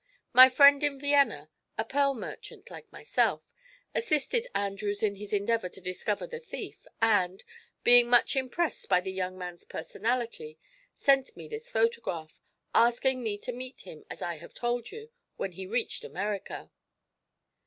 My friend in Vienna, a pearl merchant like myself, assisted Andrews in his endeavor to discover the thief and, being much impressed by the young man's personality, sent me this photograph, asking me to meet him, as I have told you, when he reached America."